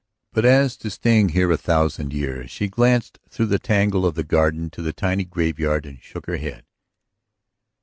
But as to staying here a thousand years ... she glanced through the tangle of the garden to the tiny graveyard and shook her head.